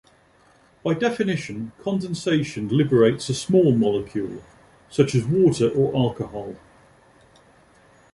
By definition, condensation liberates a small molecule, such as water or alcohol.